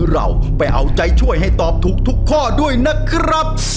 เราไปเอาใจช่วยให้ตอบถูกทุกข้อด้วยนะครับ